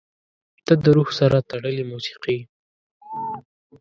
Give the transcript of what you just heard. • ته د روح سره تړلې موسیقي یې.